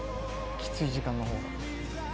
きつい時間のほうが。